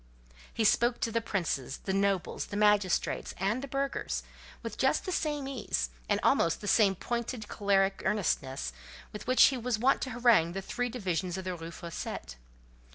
He spoke to the princes, the nobles, the magistrates, and the burghers, with just the same ease, with almost the same pointed, choleric earnestness, with which he was wont to harangue the three divisions of the Rue Fossette.